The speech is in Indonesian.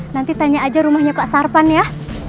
nanti tanya aja rumahnya pak sarpan ya